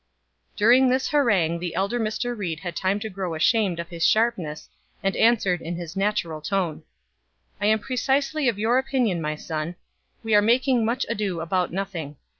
During this harangue the elder Mr. Ried had time to grow ashamed of his sharpness, and answered in his natural tone. "I am precisely of your opinion, my son. We are making 'much ado about nothing.'